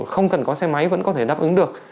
không cần có xe máy vẫn có thể đáp ứng được